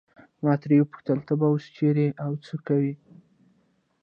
ما ترې وپوښتل ته به اوس چیرې یې او څه کوې.